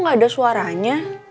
kok gak ada suaranya